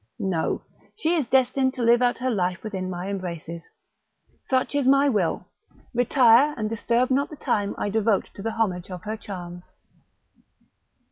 No! she is destined to live out her life within my embraces: such is my will; retire, and disturb not the time I devote to the homage of her charms."